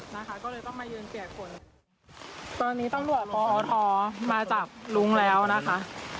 นะคะก็เลยต้องมายืนเปียกฝนตอนนี้ตำรวจปอทมาจับลุงแล้วนะคะ